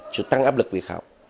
sự tăng áp lực việc học